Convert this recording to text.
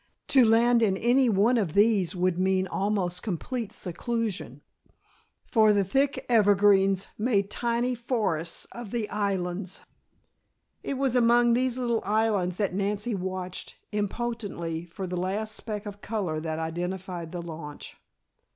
To land in any one of these would mean almost complete seclusion for the thick evergreens made tiny forests of the islands. It was among these little islands that Nancy watched, impotently, for the last speck of color that identified the launch.